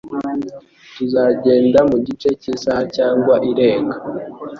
Tuzagenda mugice cyisaha cyangwa irenga.